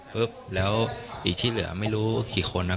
ปุ๊บแล้วอีกที่เหลือไม่รู้กี่คนนะ